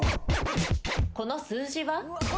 この数字は？